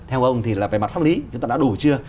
theo ông thì là về mặt pháp lý chúng ta đã đủ chưa